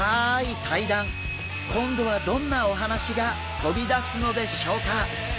今度はどんなお話が飛び出すのでしょうか？